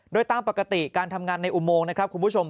โดยตามปกติการทำงานในอุโมงนะครับคุณผู้ชม